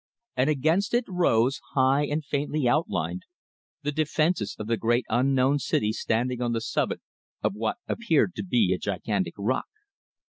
And against it rose, high and faintly outlined, the defences of the great unknown city standing on the summit of what appeared to be a gigantic rock.